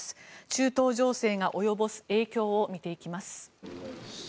中東情勢が及ぼす影響を見ていきます。